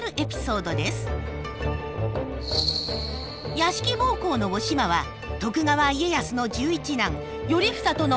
屋敷奉公のおしまは徳川家康の十一男頼房との間に子を宿します。